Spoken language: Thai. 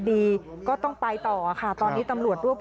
ที่เราทำไปเพราะว่า